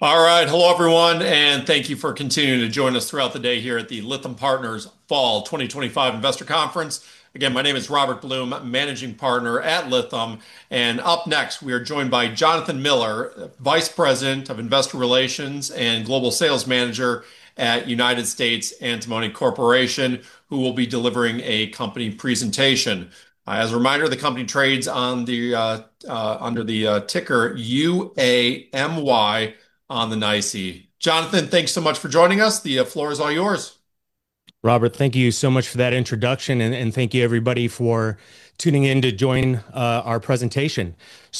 All right, hello everyone, and thank you for continuing to join us throughout the day here at the Lytham Partners Fall 2025 Investor Conference. Again, my name is Robert Blum, Managing Partner at Lytham, and up next we are joined by Jonathan Miller, Vice President of Investor Relations and Global Sales Manager at United States Antimony Corporation, who will be delivering a company presentation. As a reminder, the company trades under the ticker UAMY on the NYSE. Jonathan, thanks so much for joining us. The floor is all yours. Robert, thank you so much for that introduction, and thank you everybody for tuning in to join our presentation.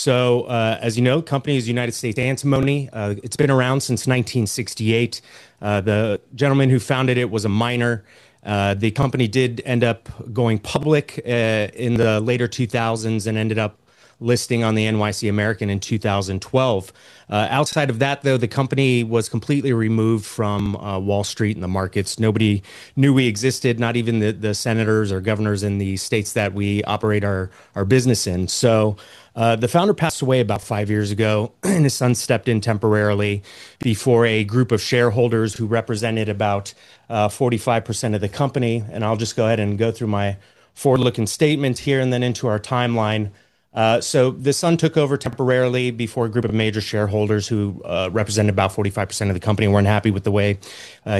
As you know, the company is United States Antimony. It's been around since 1968. The gentleman who founded it was a miner. The company did end up going public in the later 2000s and ended up listing on the NYSE American in 2012. Outside of that, the company was completely removed from Wall Street and the markets. Nobody knew we existed, not even the senators or governors in the states that we operate our business in. The founder passed away about five years ago, and his son stepped in temporarily before a group of shareholders who represented about 45% of the company. I'll just go ahead and go through my forward-looking statement here and then into our timeline. The son took over temporarily before a group of major shareholders who represented about 45% of the company weren't happy with the way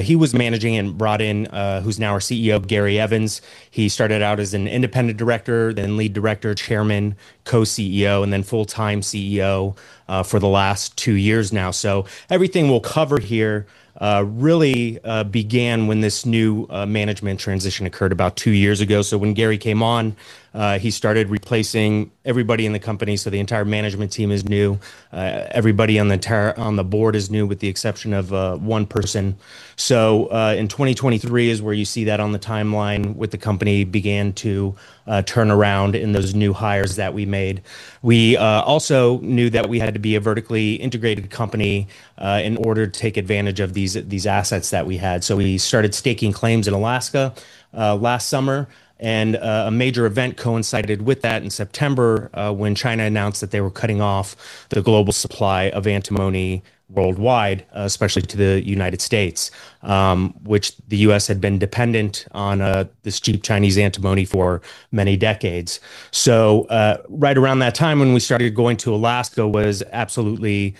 he was managing and brought in, who's now our CEO, Gary Evans. He started out as an independent director, then lead director, chairman, co-CEO, and then full-time CEO for the last two years now. Everything we'll cover here really began when this new management transition occurred about two years ago. When Gary came on, he started replacing everybody in the company. The entire management team is new. Everybody on the board is new, with the exception of one person. In 2023 is where you see that on the timeline with the company began to turn around in those new hires that we made. We also knew that we had to be a vertically integrated company in order to take advantage of these assets that we had. We started staking claims in Alaska last summer, and a major event coincided with that in September when China announced that they were cutting off the global supply of antimony worldwide, especially to the United States, which the U.S. had been dependent on this cheap Chinese antimony for many decades. Right around that time when we started going to Alaska was absolutely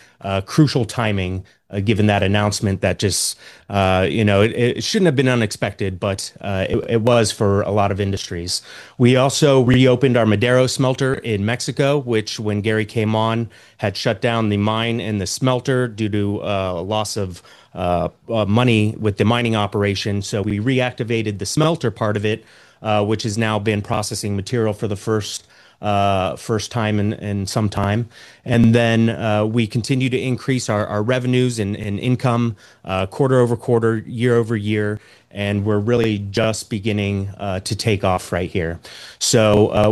crucial timing, given that announcement that just, you know, it shouldn't have been unexpected, but it was for a lot of industries. We also reopened our Madero Smelter in Mexico, which when Gary came on had shut down the mine and the smelter due to loss of money with the mining operation. We reactivated the smelter part of it, which has now been processing material for the first time in some time. We continue to increase our revenues and income quarter-over-quarter, year-over-year, and we're really just beginning to take off right here.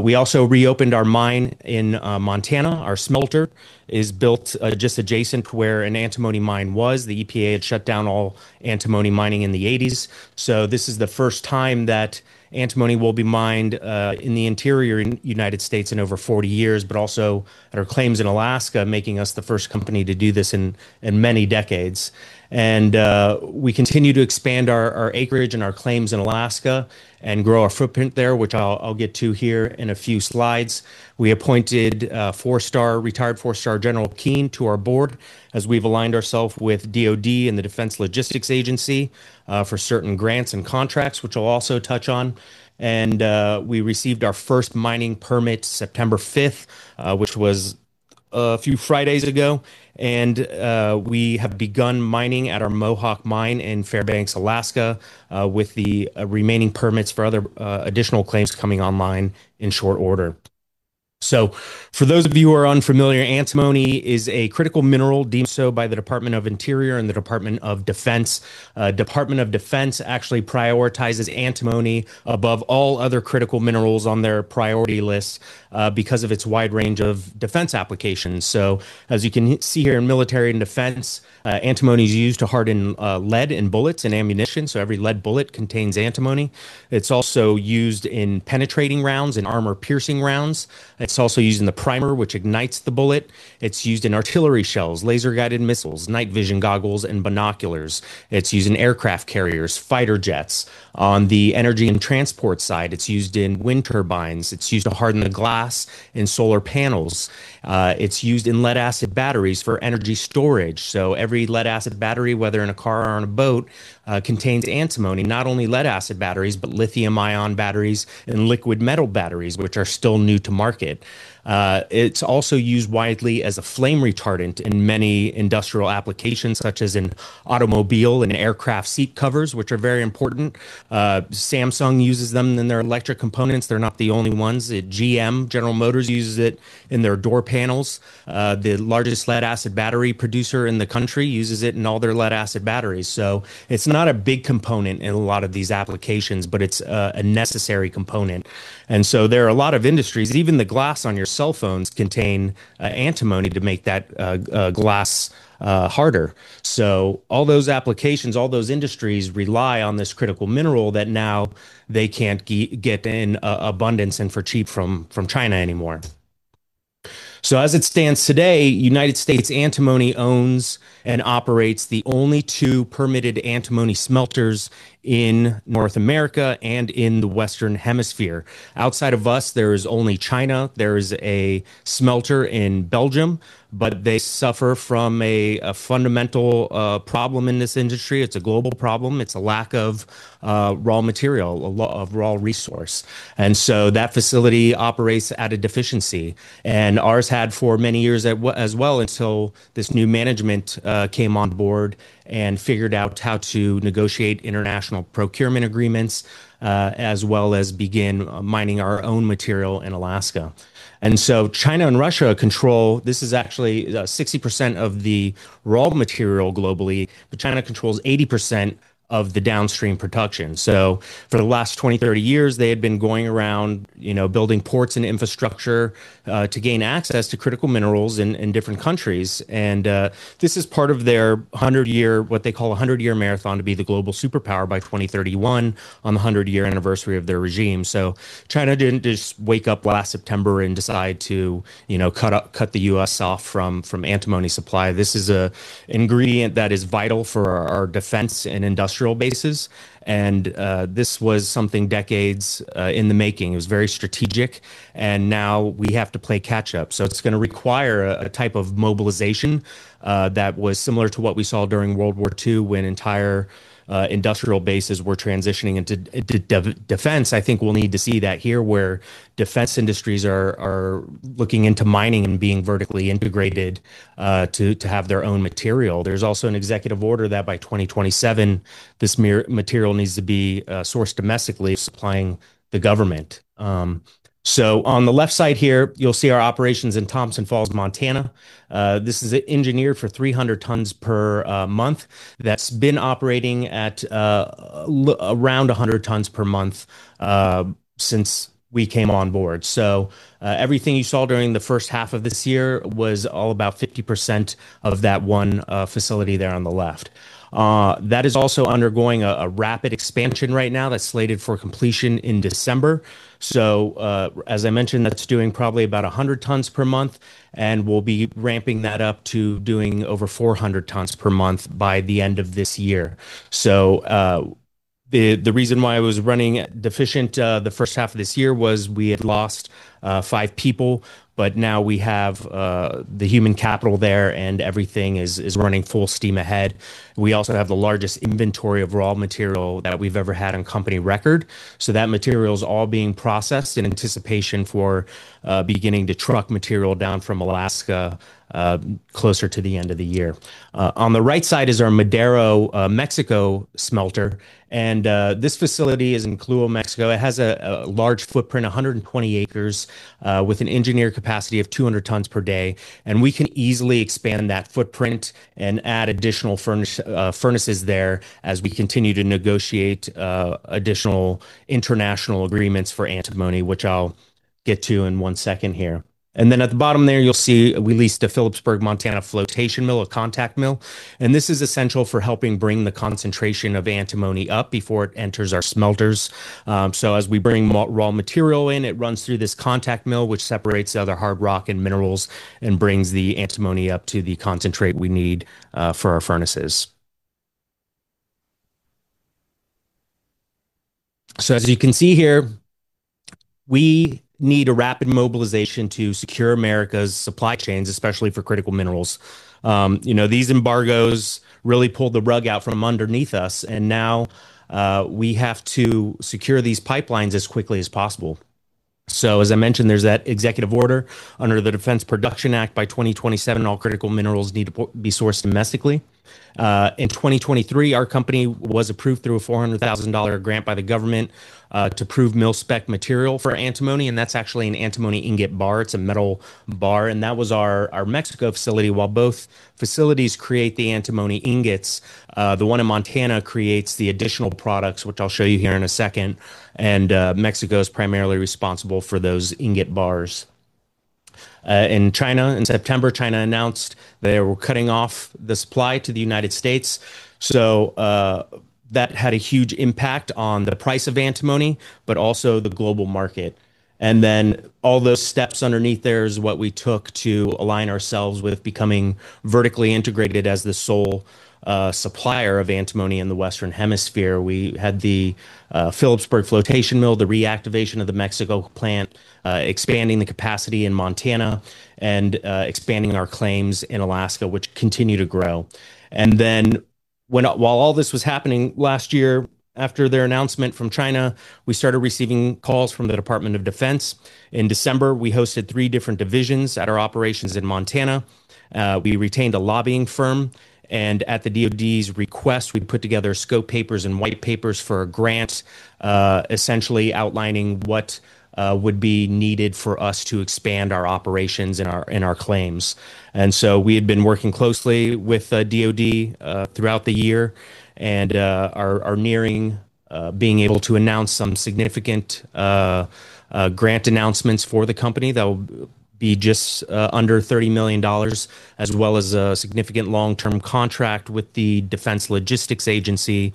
We also reopened our mine in Montana. Our smelter is built just adjacent to where an antimony mine was. The EPA had shut down all antimony mining in the 1980s. This is the first time that antimony will be mined in the interior United States in over 40 years, also at our claims in Alaska, making us the first company to do this in many decades. We continue to expand our acreage and our claims in Alaska and grow our footprint there, which I'll get to here in a few slides. We appointed retired four-star General Keane to our board, as we've aligned ourselves with the DOD and the Defense Logistics Agency for certain grants and contracts, which I'll also touch on. We received our first mining permit September 5th, which was a few Fridays ago. We have begun mining at our Mohawk mine in Fairbanks, Alaska, with the remaining permits for other additional claims coming online in short order. For those of you who are unfamiliar, antimony is a critical mineral deemed so by the Department of the Interior and the Department of Defense. The Department of Defense actually prioritizes antimony above all other critical minerals on their priority list because of its wide range of defense applications. As you can see here in military and defense, antimony is used to harden lead in bullets and ammunition. Every lead bullet contains antimony. It's also used in penetrating rounds and armor-piercing rounds. It's also used in the primer, which ignites the bullet. It's used in artillery shells, laser-guided missiles, night vision goggles, and binoculars. It's used in aircraft carriers and fighter jets. On the energy and transport side, it's used in wind turbines. It's used to harden the glass in solar panels. It's used in lead acid batteries for energy storage. Every lead acid battery, whether in a car or on a boat, contains antimony, not only lead acid batteries, but lithium-ion batteries and liquid metal batteries, which are still new to market. It's also used widely as a flame retardant in many industrial applications, such as in automobile and aircraft seat covers, which are very important. Samsung uses them in their electric components. They're not the only ones. General Motors uses it in their door panels. The largest lead acid battery producer in the country uses it in all their lead acid batteries. It's not a big component in a lot of these applications, but it's a necessary component. There are a lot of industries, even the glass on your cell phones contains antimony to make that glass harder. All those applications, all those industries rely on this critical mineral that now they can't get in abundance and for cheap from China anymore. As it stands today, United States Antimony owns and operates the only two permitted antimony smelters in North America and in the Western Hemisphere. Outside of us, there is only China. There is a smelter in Belgium, but they suffer from a fundamental problem in this industry. It's a global problem. It's a lack of raw material, a raw resource. That facility operates at a deficiency. Ours had for many years as well until this new management came on board and figured out how to negotiate international procurement agreements, as well as begin mining our own material in Alaska. China and Russia control, this is actually 60% of the raw material globally, but China controls 80% of the downstream production. For the last 20, 30 years, they had been going around, building ports and infrastructure to gain access to critical minerals in different countries. This is part of their 100-year, what they call a 100-year marathon to be the global superpower by 2031 on the 100-year anniversary of their regime. China didn't just wake up last September and decide to cut the U.S. off from antimony supply. This is an ingredient that is vital for our defense and industrial bases. This was something decades in the making. It was very strategic. Now we have to play catch-up. It's going to require a type of mobilization that was similar to what we saw during World War II when entire industrial bases were transitioning into defense. I think we'll need to see that here where defense industries are looking into mining and being vertically integrated to have their own material. There's also an executive order that by 2027, this material needs to be sourced domestically, supplying the government. On the left side here, you'll see our operations in Thompson Falls, Montana. This is engineered for 300 tons per month. That's been operating at around 100 tons per month since we came on board. Everything you saw during the first half of this year was all about 50% of that one facility there on the left. That is also undergoing a rapid expansion right now that's slated for completion in December. As I mentioned, that's doing probably about 100 tons per month and will be ramping that up to doing over 400 tons per month by the end of this year. The reason why it was running deficient the first half of this year was we had lost five people, but now we have the human capital there and everything is running full steam ahead. We also have the largest inventory of raw material that we've ever had on company record. That material is all being processed in anticipation for beginning to truck material down from Alaska closer to the end of the year. On the right side is our Madero, Mexico smelter. This facility is in Coahuila, Mexico. It has a large footprint, 120 acres, with an engineered capacity of 200 tons per day. We can easily expand that footprint and add additional furnaces there as we continue to negotiate additional international agreements for antimony, which I'll get to in one second here. At the bottom there, you'll see we leased a Philipsburg, Montana Flotation mill, a contact mill. This is essential for helping bring the concentration of antimony up before it enters our smelters. As we bring raw material in, it runs through this contact mill, which separates the other hard rock and minerals and brings the antimony up to the concentrate we need for our furnaces. As you can see here, we need a rapid mobilization to secure America's supply chains, especially for critical minerals. These embargoes really pulled the rug out from underneath us. Now we have to secure these pipelines as quickly as possible. As I mentioned, there's that executive order under the Defense Production Act. By 2027, all critical minerals need to be sourced domestically. In 2023, our company was approved through a $400,000 grant by the government to prove mill spec material for antimony. That's actually an antimony ingot bar. It's a metal bar. That was our Mexico facility. While both facilities create the antimony ingots, the one in Montana creates the additional products, which I'll show you here in a second. Mexico is primarily responsible for those ingot bars. In China, in September, China announced they were cutting off the supply to the United States. That had a huge impact on the price of antimony, but also the global market. All those steps underneath there are what we took to align ourselves with becoming vertically integrated as the sole supplier of antimony in the Western Hemisphere. We had the Philipsburg Flotation mill, the reactivation of the Mexico plant, expanding the capacity in Montana, and expanding our claims in Alaska, which continue to grow. While all this was happening last year, after their announcement from China, we started receiving calls from the Department of Defense. In December, we hosted three different divisions at our operations in Montana. We retained a lobbying firm. At the DOD's request, we put together scope papers and white papers for a grant, essentially outlining what would be needed for us to expand our operations and our claims. We had been working closely with the DOD throughout the year and are nearing being able to announce some significant grant announcements for the company that will be just under $30 million, as well as a significant long-term contract with the Defense Logistics Agency,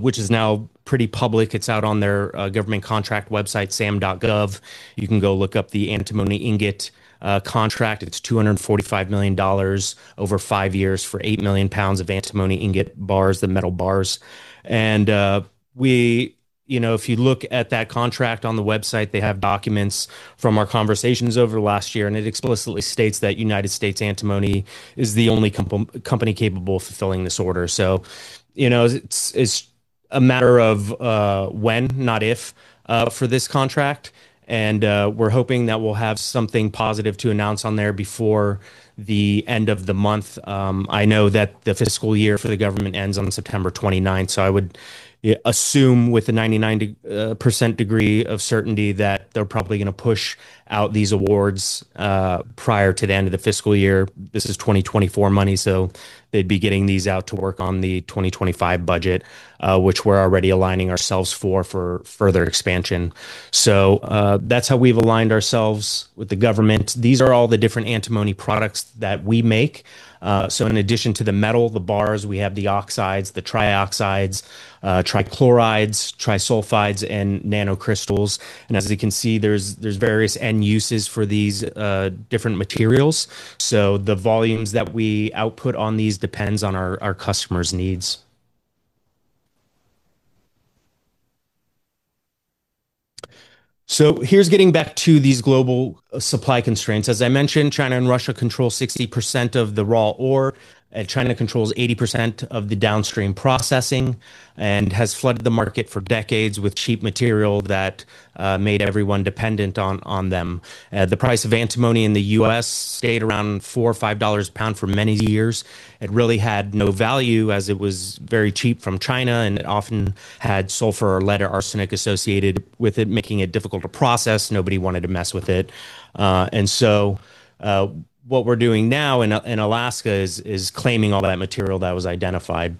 which is now pretty public. It's out on their government contract website, sam.gov. You can go look up the antimony ingot contract. It's $245 million over five years for 8 million pounds of antimony ingot bars, the metal bars. If you look at that contract on the website, they have documents from our conversations over the last year. It explicitly states that United States Antimony Corporation is the only company capable of fulfilling this order. It's a matter of when, not if, for this contract. We're hoping that we'll have something positive to announce on there before the end of the month. I know that the fiscal year for the government ends on September 29th. I would assume with a 99% degree of certainty that they're probably going to push out these awards prior to the end of the fiscal year. This is 2024 money. They'd be getting these out to work on the 2025 budget, which we're already aligning ourselves for, for further expansion. That's how we've aligned ourselves with the government. These are all the different antimony products that we make. In addition to the metal, the bars, we have the oxides, the trioxides, trichlorides, trisulfides, and nanocrystals. As you can see, there's various end uses for these different materials. The volumes that we output on these depend on our customers' needs. Here's getting back to these global supply constraints. As I mentioned, China and Russia control 60% of the raw ore. China controls 80% of the downstream processing and has flooded the market for decades with cheap material that made everyone dependent on them. The price of antimony in the U.S. stayed around $4 or $5 a pound for many years. It really had no value as it was very cheap from China, and it often had sulfur or lead or arsenic associated with it, making it difficult to process. Nobody wanted to mess with it. What we're doing now in Alaska is claiming all that material that was identified.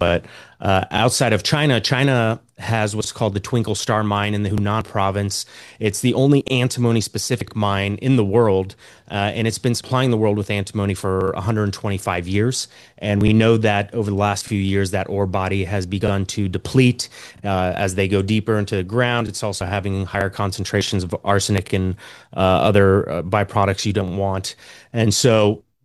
Outside of China, China has what's called the Twinkle Star Mine in the Hunan Province. It's the only antimony-specific mine in the world, and it's been supplying the world with antimony for 125 years. We know that over the last few years, that ore body has begun to deplete as they go deeper into the ground. It's also having higher concentrations of arsenic and other byproducts you don't want.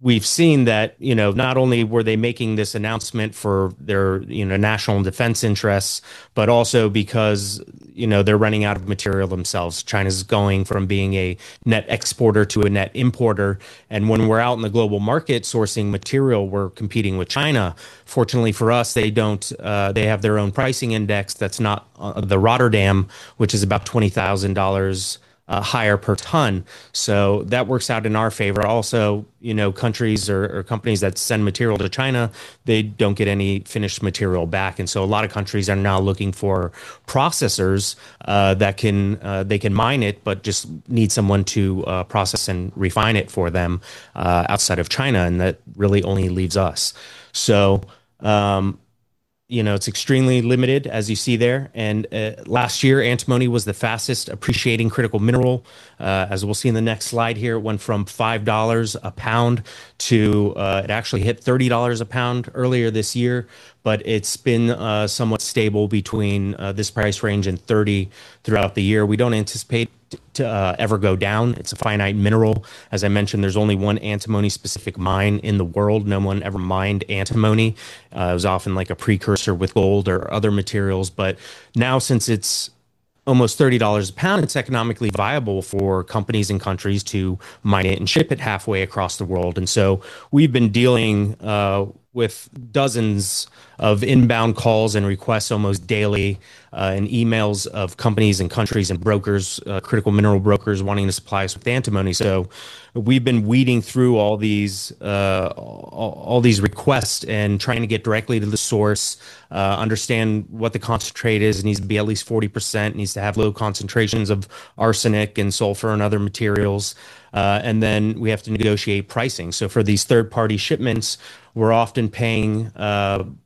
We've seen that not only were they making this announcement for their national and defense interests, but also because they're running out of material themselves. China is going from being a net exporter to a net importer. When we're out in the global market sourcing material, we're competing with China. Fortunately for us, they have their own pricing index that's not the Rotterdam, which is about $20,000 higher per ton. That works out in our favor. Also, countries or companies that send material to China don't get any finished material back. A lot of countries are now looking for processors that can, they can mine it, but just need someone to process and refine it for them outside of China. That really only leaves us. It's extremely limited, as you see there. Last year, antimony was the fastest appreciating critical mineral. As we'll see in the next slide here, it went from $5 a pound to, it actually hit $30 a pound earlier this year. It's been somewhat stable between this price range and $30 throughout the year. We don't anticipate it to ever go down. It's a finite mineral. As I mentioned, there's only one antimony-specific mine in the world. No one ever mined antimony. It was often like a precursor with gold or other materials. Now, since it's almost $30 a pound, it's economically viable for companies and countries to mine it and ship it halfway across the world. We've been dealing with dozens of inbound calls and requests almost daily, and emails of companies and countries and brokers, critical mineral brokers wanting to supply us with antimony. We've been weeding through all these requests and trying to get directly to the source, understand what the concentrate is. It needs to be at least 40%. It needs to have low concentrations of arsenic and sulfur and other materials. We have to negotiate pricing. For these third-party shipments, we're often paying 45%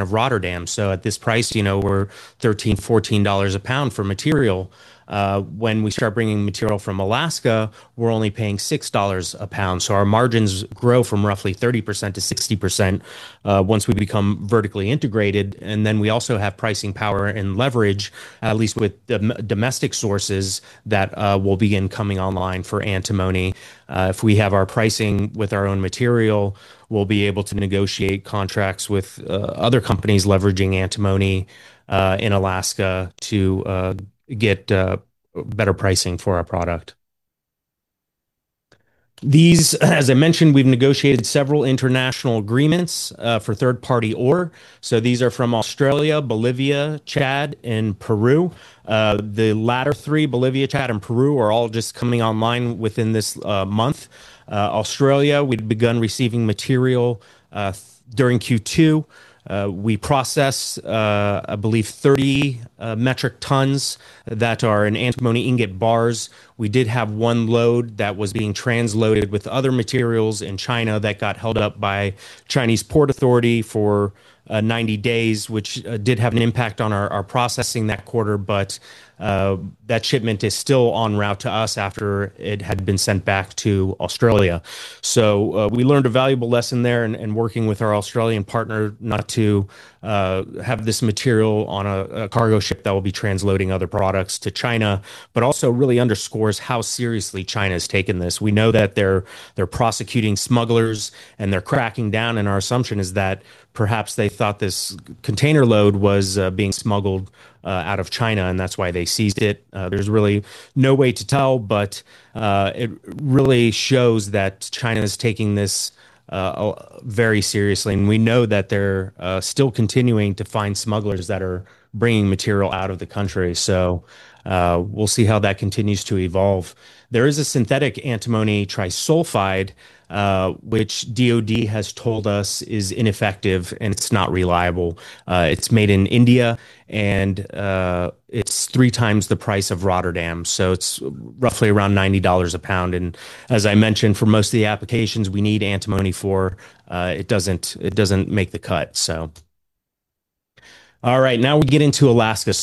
of Rotterdam. At this price, we're $13, $14 a pound for material. When we start bringing material from Alaska, we're only paying $6 a pound. Our margins grow from roughly 30%-60% once we become vertically integrated. We also have pricing power and leverage, at least with the domestic sources that will begin coming online for antimony. If we have our pricing with our own material, we'll be able to negotiate contracts with other companies leveraging antimony in Alaska to get better pricing for our product. As I mentioned, we've negotiated several international agreements for third-party ore. These are from Australia, Bolivia, Chad, and Peru. The latter three, Bolivia, Chad, and Peru, are all just coming online within this month. Australia, we've begun receiving material during Q2. We process, I believe, 30 metric tons that are in antimony ingot bars. We did have one load that was being transloaded with other materials in China that got held up by Chinese Port Authority for 90 days, which did have an impact on our processing that quarter. That shipment is still en route to us after it had been sent back to Australia. We learned a valuable lesson there in working with our Australian partner not to have this material on a cargo ship that will be transloading other products to China, but it also really underscores how seriously China has taken this. We know that they're prosecuting smugglers and they're cracking down. Our assumption is that perhaps they thought this container load was being smuggled out of China, and that's why they seized it. There's really no way to tell, but it really shows that China is taking this very seriously. We know that they're still continuing to find smugglers that are bringing material out of the country. We'll see how that continues to evolve. There is a synthetic antimony trisulfide, which the DOD has told us is ineffective and it's not reliable. It's made in India and it's three times the price of Rotterdam. It's roughly around $90 a pound. As I mentioned, for most of the applications we need antimony for, it doesn't make the cut. Now we get into Alaska.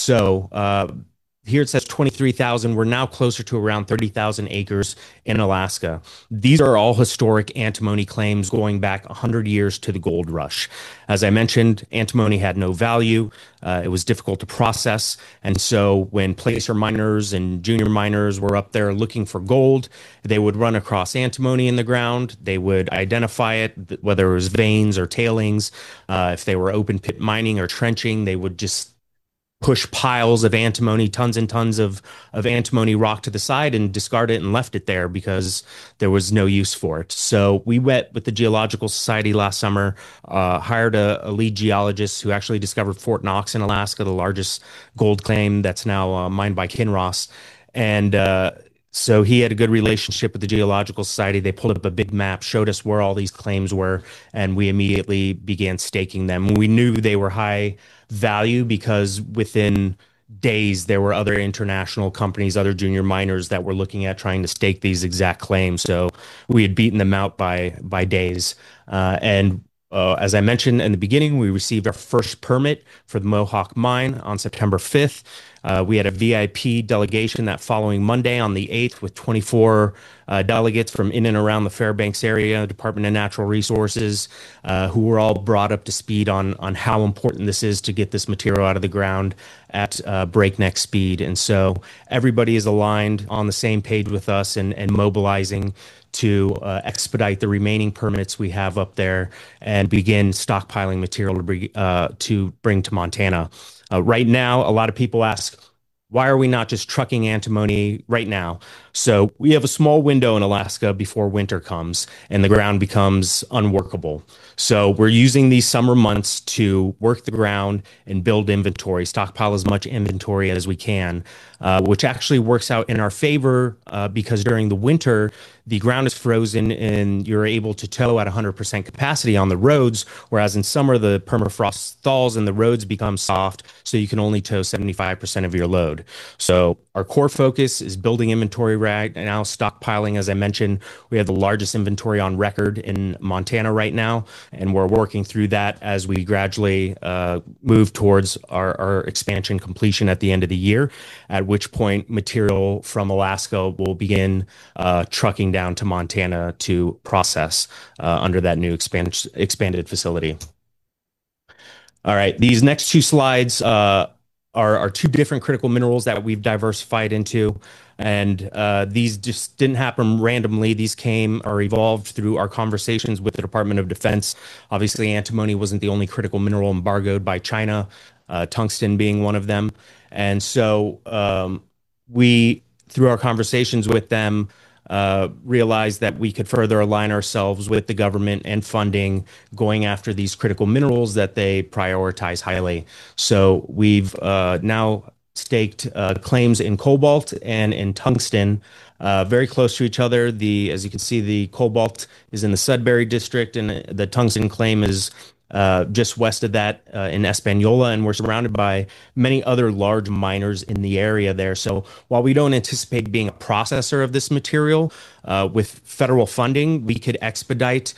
Here it says 23,000. We're now closer to around 30,000 acres in Alaska. These are all historic antimony claims going back 100 years to the gold rush. As I mentioned, antimony had no value. It was difficult to process. When plates or miners and junior miners were up there looking for gold, they would run across antimony in the ground. They would identify it, whether it was veins or tailings. If they were open pit mining or trenching, they would just push piles of antimony, tons and tons of antimony rock to the side and discard it and left it there because there was no use for it. We went with the Geological Society last summer, hired a lead geologist who actually discovered Fort Knox in Alaska, the largest gold claim that's now mined by Kinross. He had a good relationship with the Geological Society. They pulled up a big map, showed us where all these claims were, and we immediately began staking them. We knew they were high value because within days there were other international companies, other junior miners that were looking at trying to stake these exact claims. We had beaten them out by days. As I mentioned in the beginning, we received our first permit for the Mohawk mine on September 5th. We had a VIP delegation that following Monday on the 8th with 24 delegates from in and around the Fairbanks area, Department of Natural Resources, who were all brought up to speed on how important this is to get this material out of the ground at breakneck speed. Everybody is aligned on the same page with us and mobilizing to expedite the remaining permits we have up there and begin stockpiling material to bring to Montana. Right now, a lot of people ask, why are we not just trucking antimony right now? We have a small window in Alaska before winter comes and the ground becomes unworkable. We're using these summer months to work the ground and build inventory, stockpile as much inventory as we can, which actually works out in our favor because during the winter, the ground is frozen and you're able to tow at 100% capacity on the roads, whereas in summer, the permafrost thaws and the roads become soft, so you can only tow 75% of your load. Our core focus is building inventory rack and now stockpiling. As I mentioned, we have the largest inventory on record in Montana right now, and we're working through that as we gradually move towards our expansion completion at the end of the year, at which point material from Alaska will begin trucking down to Montana to process under that new expanded facility. These next two slides are two different critical minerals that we've diversified into, and these just didn't happen randomly. These came or evolved through our conversations with the Department of Defense. Obviously, antimony wasn't the only critical mineral embargoed by China, tungsten being one of them. Through our conversations with them, we realized that we could further align ourselves with the government and funding going after these critical minerals that they prioritize highly. We've now staked claims in cobalt and in tungsten, very close to each other. As you can see, the cobalt is in the Sudbury district, and the tungsten claim is just west of that in Espanola, and we're surrounded by many other large miners in the area there. While we don't anticipate being a processor of this material, with federal funding, we could expedite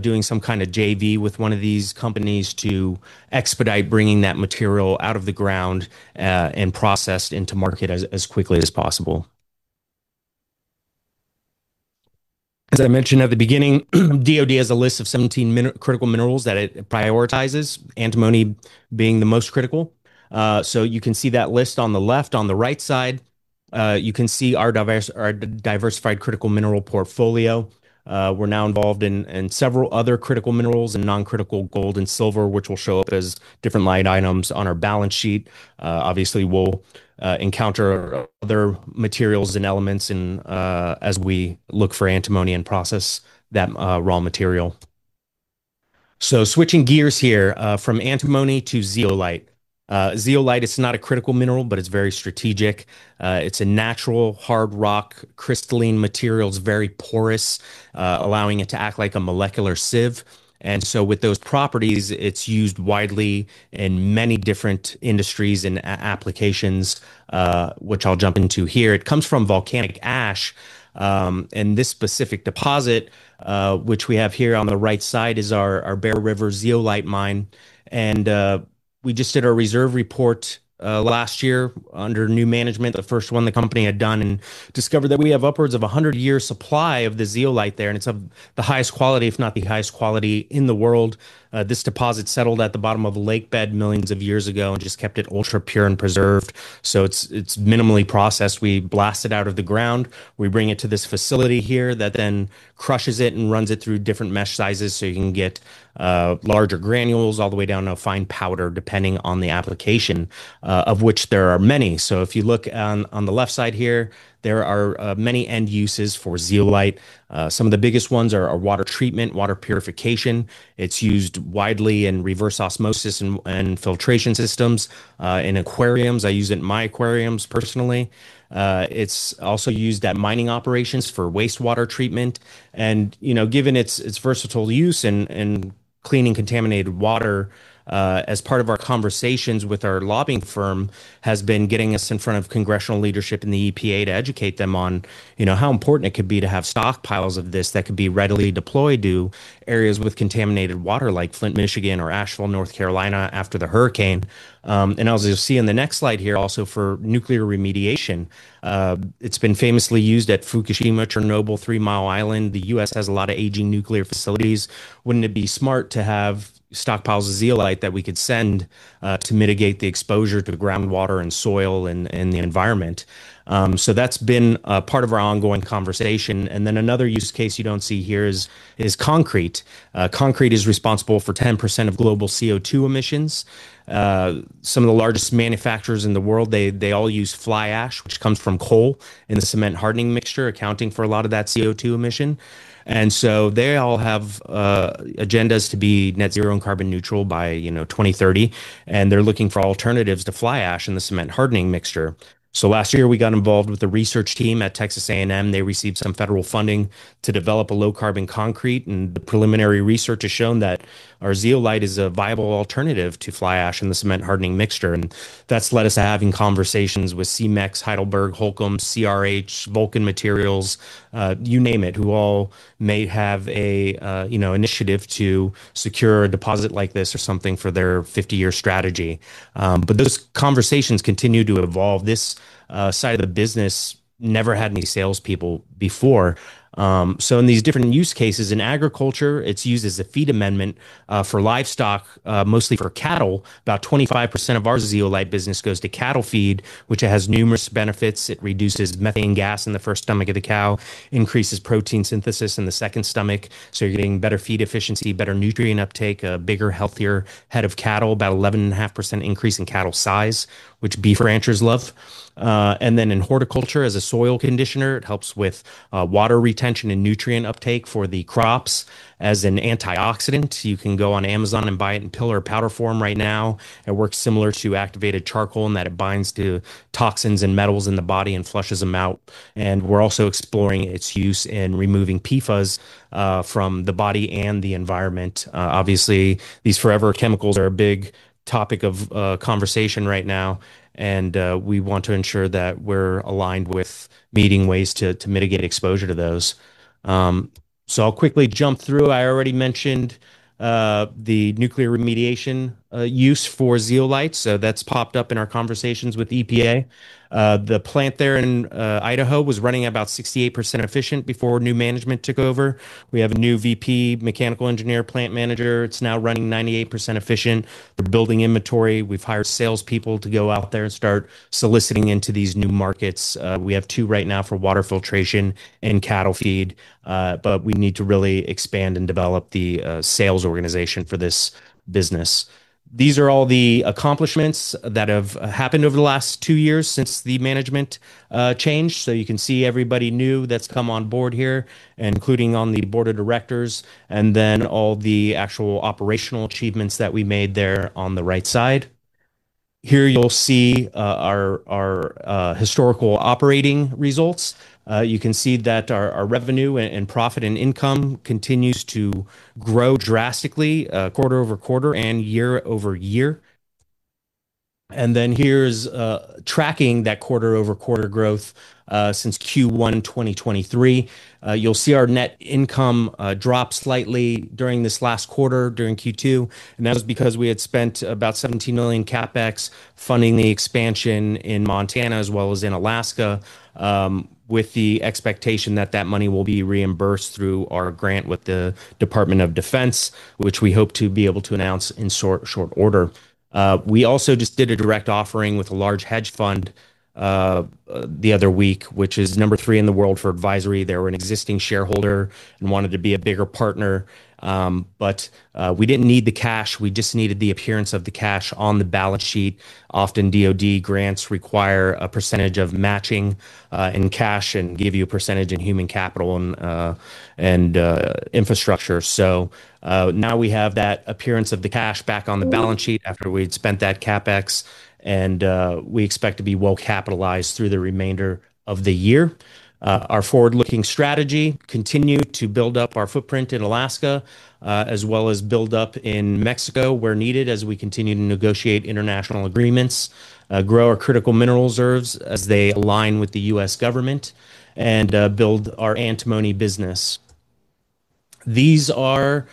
doing some kind of JV with one of these companies to expedite bringing that material out of the ground and processed into market as quickly as possible. As I mentioned at the beginning, the DOD has a list of 17 critical minerals that it prioritizes, antimony being the most critical. You can see that list on the left. On the right side, you can see our diversified critical mineral portfolio. We're now involved in several other critical minerals and non-critical gold and silver, which will show up as different line items on our balance sheet. Obviously, we'll encounter other materials and elements as we look for antimony and process that raw material. Switching gears here from antimony to zeolite. Zeolite, it's not a critical mineral, but it's very strategic. It's a natural hard rock, crystalline material. It's very porous, allowing it to act like a molecular sieve. With those properties, it's used widely in many different industries and applications, which I'll jump into here. It comes from volcanic ash, and this specific deposit, which we have here on the right side, is our Bear River Zeolite mine. We just did our reserve report last year under new management, the first one the company had done, and discovered that we have upwards of a 100-year supply of the zeolite there, and it's of the highest quality, if not the highest quality in the world. This deposit settled at the bottom of a lakebed millions of years ago and just kept it ultra-pure and preserved. It's minimally processed. We blast it out of the ground. We bring it to this facility here that then crushes it and runs it through different mesh sizes so you can get larger granules all the way down to a fine powder, depending on the application, of which there are many. If you look on the left side here, there are many end uses for zeolite. Some of the biggest ones are water treatment, water purification. It's used widely in reverse osmosis and filtration systems in aquariums. I use it in my aquariums personally. It's also used at mining operations for wastewater treatment. Given its versatile use in cleaning contaminated water, as part of our conversations with our lobbying firm, getting us in front of congressional leadership in the EPA to educate them on how important it could be to have stockpiles of this that could be readily deployed to areas with contaminated water, like Flint, Michigan, or Asheville, North Carolina, after the hurricane. As you'll see in the next slide here, also for nuclear remediation, it's been famously used at Fukushima, Chernobyl, Three Mile Island. The U.S. has a lot of aging nuclear facilities. Wouldn't it be smart to have stockpiles of zeolite that we could send to mitigate the exposure to the groundwater and soil and the environment? That's been part of our ongoing conversation. Another use case you don't see here is concrete. Concrete is responsible for 10% of global CO2 emissions. Some of the largest manufacturers in the world, they all use fly ash, which comes from coal in the cement hardening mixture, accounting for a lot of that CO2 emission. They all have agendas to be net zero and carbon neutral by 2030. They're looking for alternatives to fly ash in the cement hardening mixture. Last year we got involved with the research team at Texas A&M. They received some federal funding to develop a low-carbon concrete, and preliminary research has shown that our zeolite is a viable alternative to fly ash in the cement hardening mixture. That has led us to having conversations with Cemex, Heidelberg, Holcim, CRH, Vulcan Materials, you name it, who all may have an initiative to secure a deposit like this or something for their 50-year strategy. Those conversations continue to evolve. This side of the business never had any salespeople before. In these different use cases, in agriculture, it's used as a feed amendment for livestock, mostly for cattle. About 25% of our zeolite business goes to cattle feed, which has numerous benefits. It reduces methane gas in the first stomach of the cow, increases protein synthesis in the second stomach. You're getting better feed efficiency, better nutrient uptake, a bigger, healthier head of cattle, about 11.5% increase in cattle size, which beef ranchers love. In horticulture, as a soil conditioner, it helps with water retention and nutrient uptake for the crops. As an antioxidant, you can go on Amazon and buy it in pill or powder form right now. It works similar to activated charcoal in that it binds to toxins and metals in the body and flushes them out. We're also exploring its use in removing PFAS from the body and the environment. Obviously, these forever chemicals are a big topic of conversation right now, and we want to ensure that we're aligned with meeting ways to mitigate exposure to those. I'll quickly jump through. I already mentioned the nuclear remediation use for zeolite. That has popped up in our conversations with the EPA. The plant there in Idaho was running about 68% efficient before new management took over. We have a new VP, mechanical engineer, plant manager. It's now running 98% efficient. We're building inventory. We've hired salespeople to go out there and start soliciting into these new markets. We have two right now for water filtration and cattle feed, but we need to really expand and develop the sales organization for this business. These are all the accomplishments that have happened over the last two years since the management changed. You can see everybody new that's come on board here, including on the board of directors, and then all the actual operational achievements that we made there on the right side. Here, you'll see our historical operating results. You can see that our revenue and profit and income continue to grow drastically quarter-over-quarter and year-over-year. Here is tracking that quarter-over-quarter growth since Q1 2023. You'll see our net income drop slightly during this last quarter, during Q2. That was because we had spent about $17 million CapEx funding the expansion in Montana as well as in Alaska, with the expectation that that money will be reimbursed through our grant with the Department of Defense, which we hope to be able to announce in short order. We also just did a direct offering with a large hedge fund the other week, which is number three in the world for advisory. They were an existing shareholder and wanted to be a bigger partner. We didn't need the cash. We just needed the appearance of the cash on the balance sheet. Often, DOD grants require a percentage of matching in cash and give you a percentage in human capital and infrastructure. Now we have that appearance of the cash back on the balance sheet after we'd spent that CapEx, and we expect to be well capitalized through the remainder of the year. Our forward-looking strategy continues to build up our footprint in Alaska, as well as build up in Mexico where needed, as we continue to negotiate international agreements, grow our critical mineral reserves as they align with the U.S. government, and build our antimony business. These are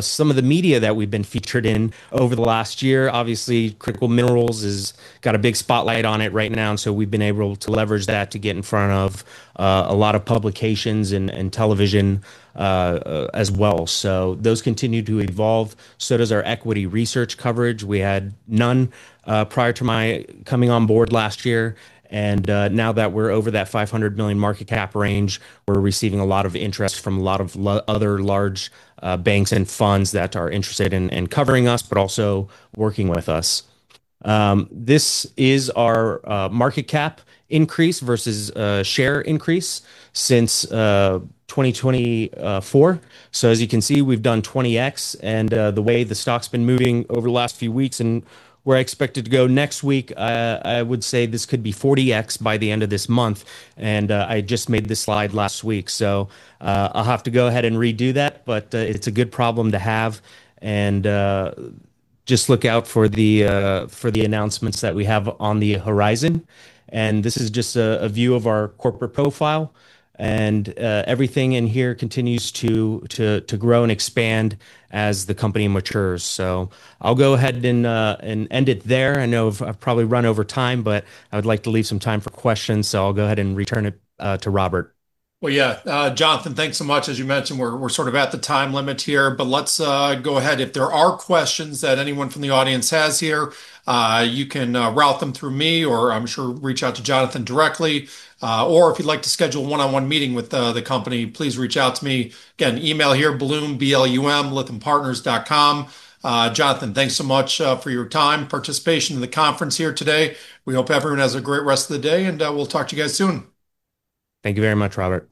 some of the media that we've been featured in over the last year. Obviously, critical minerals has got a big spotlight on it right now, and we've been able to leverage that to get in front of a lot of publications and television as well. Those continue to evolve. So does our equity research coverage. We had none prior to my coming on board last year. Now that we're over that $500 million market cap range, we're receiving a lot of interest from a lot of other large banks and funds that are interested in covering us, but also working with us. This is our market cap increase versus share increase since 2024. As you can see, we've done 20X. The way the stock's been moving over the last few weeks, and we're expected to go next week, I would say this could be 40X by the end of this month. I just made this slide last week. I'll have to go ahead and redo that, but it's a good problem to have. Just look out for the announcements that we have on the horizon. This is just a view of our corporate profile. Everything in here continues to grow and expand as the company matures. I'll go ahead and end it there. I know I've probably run over time, but I would like to leave some time for questions. I'll go ahead and return it to Robert. Yeah, Jonathan, thanks so much. As you mentioned, we're sort of at the time limit here, but let's go ahead. If there are questions that anyone from the audience has here, you can route them through me, or I'm sure reach out to Jonathan directly. If you'd like to schedule a one-on-one meeting with the company, please reach out to me. Again, email here, [blum@blumlythampartners.com] Jonathan, thanks so much for your time and participation in the conference here today. We hope everyone has a great rest of the day, and we'll talk to you guys soon. Thank you very much, Robert.